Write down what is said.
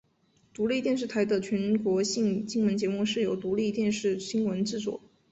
独立电视台的全国性新闻节目是由独立电视新闻制作。